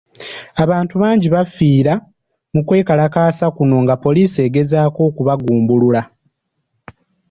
Abantu bangi baafiira mu kwekalakaasa kuno nga poliisi egezaako okubagumbulula